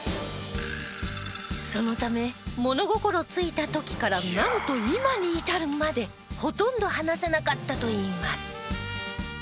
そのため物心ついた時からなんと今に至るまでほとんど話さなかったといいます。